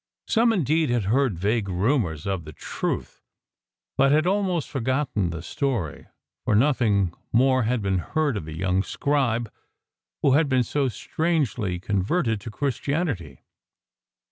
Some, indeed, had heard vague rumours of the truth, but had iHBl '■lb iMKi. IPBUHIF 26 LIFE OF ST. PAUL almost forgotten the story ^ for nothing more had been heard of the young scribe who had been so strangely converted to Christianity.